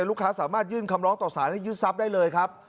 ลูกค้าสามารถยื่นคำร้องต่อสารให้ยึดทรัพย์ได้เลยครับ